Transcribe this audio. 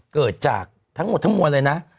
เกิดจากทั้งหมดทั้งมวลเลยนะ